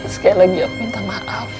sekali lagi aku minta maaf